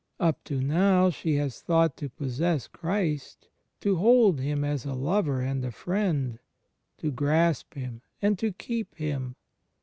Up to now she has thought to possess Christ, to hold Him as a lover and a friend, to grasp Him Bud to keep Him.